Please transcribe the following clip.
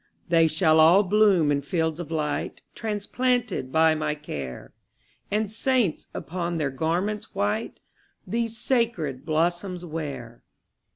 ``They shall all bloom in fields of light, Transplanted by my care, And saints, upon their garments white, These sacred blossoms wear.''